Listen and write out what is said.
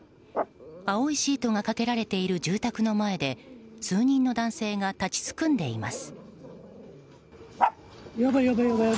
青いシートがかけられている住宅の前で数人の男性が立ちすくんでいます。